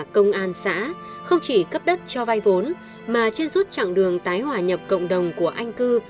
công an xã không chỉ cấp đất cho vay vốn mà trên suốt chặng đường tái hòa nhập cộng đồng của anh cư